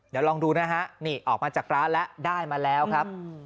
เดี๋ยวลองดูนะฮะนี่ออกมาจากร้านแล้วได้มาแล้วครับ